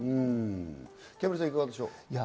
キャンベルさん、いかがでしょうか？